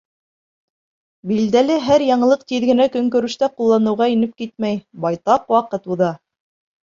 Билдәле, һәр яңылыҡ тиҙ генә көнкүрештә ҡулланыуға инеп китмәй, байтаҡ ваҡыт уҙа.